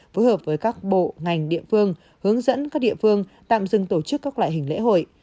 phối hợp với các bộ ngành địa phương hướng dẫn các địa phương tạm dừng tổ chức các loại hình lễ hội